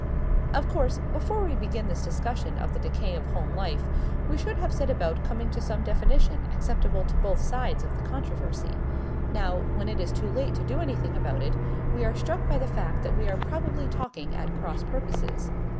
Of course, before we began this discussion of the decay of home life we should have set about coming to some definition acceptable to both sides of the controversy. Now, when it is too late to do anything about it, we are struck by the fact that we are probably talking at cross purposes.